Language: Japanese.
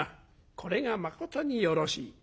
これがまことによろしい。